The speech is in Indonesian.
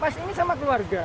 mas ini sama keluarga